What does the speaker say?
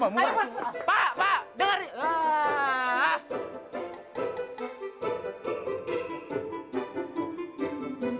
pak pak dengerin